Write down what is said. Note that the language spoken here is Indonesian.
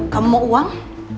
kamu mau uang